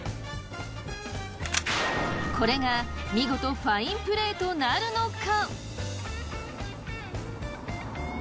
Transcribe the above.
これが見事ファインプレーとなるのか？